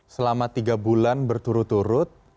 selama tiga bulan berturut turut